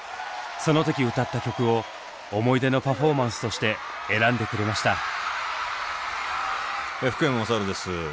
その時歌った曲を思い出のパフォーマンスとして選んでくれました。